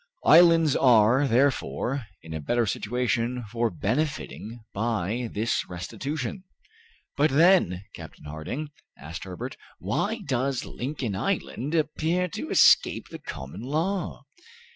Islands are, therefore, in a better situation for benefiting by this restitution." "But then, Captain Harding," asked Herbert, "why does Lincoln Island appear to escape the common law?"